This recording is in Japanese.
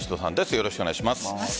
よろしくお願いします。